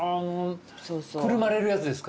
くるまれるやつですか？